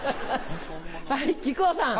はい木久扇さん。